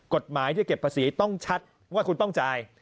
กฎหมายที่เก็บภาษีต้องชัดว่าคุณต้องจ่าย